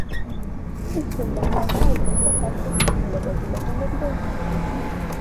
წიგნში მრავლადაა აგრეთვე ხალხური თქმულებები, ლეგენდები და ზღაპრები.